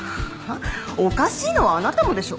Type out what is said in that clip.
おかしいのはあなたもでしょ？